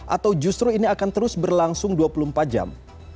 atau justru ini akan terus berlangsung dua puluh empat jam